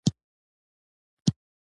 بل لوی عالم ابن تیمیه تعلیقونه کښلي